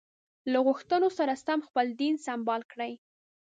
له غوښتنو سره سم خپل دین سمبال کړي.